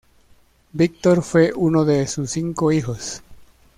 Viktor fue uno de sus cinco hijos.